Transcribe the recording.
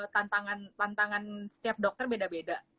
tantangan setiap dokter beda beda